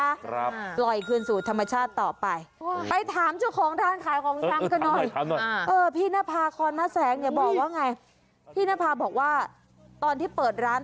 อ่าปล่อยขึ้นสู่ธรรมชาติต่อไปไปถามของท่านขายของท่านก็หน่อย